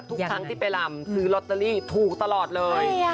ทุกครั้งที่ไปลำซื้อลอตเตอรี่ถูกตลอดเลย